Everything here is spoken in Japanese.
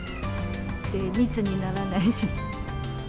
密にならないし。